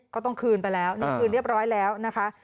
ก็ต้องคืนไปแล้วนี่คืนเรียบร้อยแล้วนะคะ